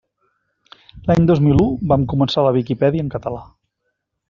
L'any dos mil u vam començar la Viquipèdia en català.